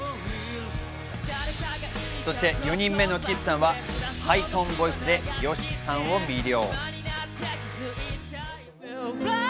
そして４人目のｋｉｃｅさんは、ハイトーンボイスでＹＯＳＨＩＫＩさんを魅了。